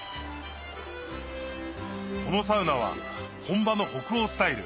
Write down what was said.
このサウナは本場の北欧スタイル